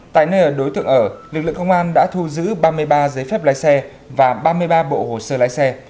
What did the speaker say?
tại nơi ở đối tượng ở lực lượng công an đã thu giữ ba mươi ba giấy phép lái xe và ba mươi ba bộ hồ sơ lái xe